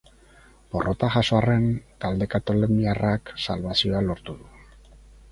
Porrota jaso arren, talde kataluniarrak salbazioa lortu du.